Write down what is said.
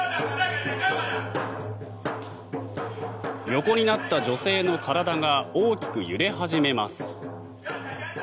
横になった女性の体が大きく揺れ始めます。